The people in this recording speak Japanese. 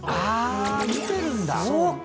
あ見てるんだ！